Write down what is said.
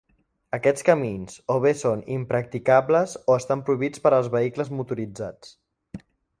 Aquests camins o bé són impracticables o estan prohibits per als vehicles motoritzats.